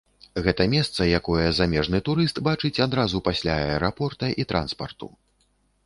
Гэта месца, якое замежны турыст бачыць адразу пасля аэрапорта і транспарту.